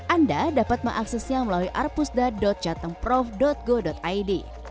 anda dapat mengaksesnya melalui arpusda catemprov go id